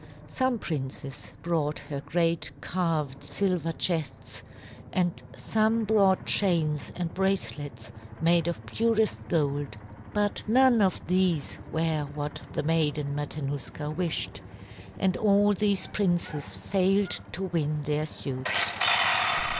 Some princes brought her great carved silver chests, and some brought chains and bracelets made of purest gold; but none of these were what the Maiden Matanuska wished, and all these princes failed to win their suit.